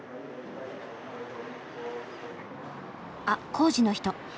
あっ工事の人。